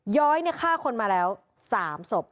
ย้อยเนี่ยฆ่าคนมาแล้ว๓ศพ